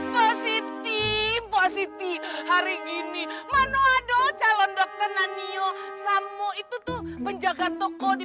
positif positif hari gini mano aduh calon dokter nanyo samo itu tuh penjaga toko di